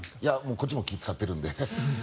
こっちも気を使っているので。